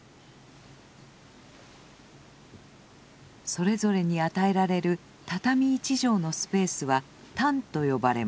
それぞれに与えられる畳一畳のスペースは「単」と呼ばれます。